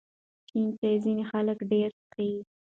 شین چای ځینې خلک ډېر څښي.